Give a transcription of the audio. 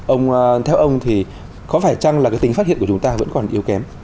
ông theo ông thì có phải chăng là cái tính phát hiện của chúng ta vẫn còn yếu kém